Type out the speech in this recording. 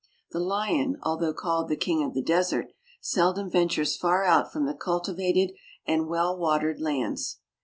The lion, although called the king of the desert, seldom ventures far out from the cultivated and well watered lands.